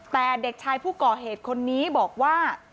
แต่เด็กชายผู้ก่อเหตุคนนี้บอกว่า